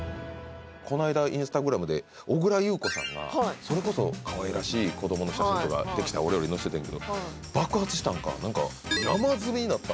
この間インスタグラムで小倉優子さんがそれこそかわいらしい子どもの写真とか出来たお料理載しててんけど爆発したんか何か山積みになった